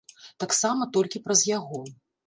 Таксама толькі праз яго.